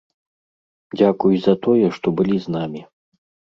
Дзякуй за тое, што былі з намі.